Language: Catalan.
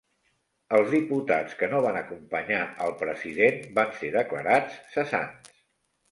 Els diputats que no van acompanyar al president van ser declarats cessants.